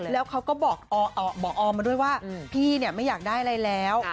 แล้วเขาก็บอกออมมาด้วยว่าพี่ไม่อยากได้อะไรแล้ว